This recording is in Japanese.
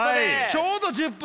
ちょうど１０分！